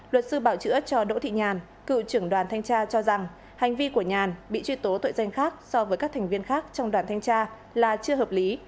luật sư bảo chữa cho đỗ thị nhàn cựu trưởng đoàn thanh tra cho rằng hành vi của nhàn bị truy tố tội danh khác so với các thành viên khác trong đoàn thanh tra là chưa hợp lý